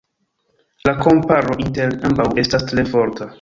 La komparo inter ambaŭ estas tre forta.